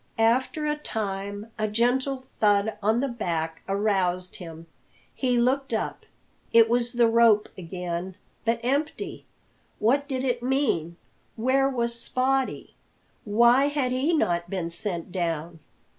After a time a gentle thud on the back aroused him. He looked up. It was the rope again, but empty! What did it mean? Where was Spottie? Why had he not been sent down?